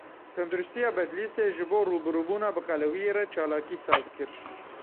Tendirustiya Bedlîsê ji bo rûbirûbûna bi qelewiyê re çalakî saz kir.